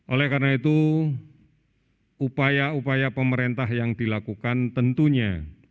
oleh karena itu upaya upaya pemerintah yang dilakukan tentunya